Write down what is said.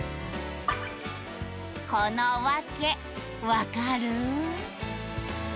このワケ分かる？